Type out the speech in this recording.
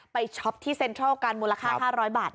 ช็อปที่เซ็นทรัลกันมูลค่า๕๐๐บาท